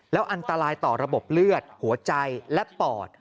แล้วอันตรายต่อระบบเลือดหัวใจและปอด